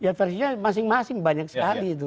ya versinya masing masing banyak sekali itu